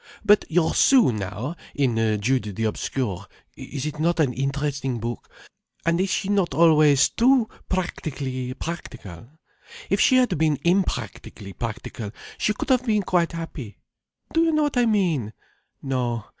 "But your Sue now, in Jude the Obscure—is it not an interesting book? And is she not always too practically practical. If she had been impractically practical she could have been quite happy. Do you know what I mean?—no.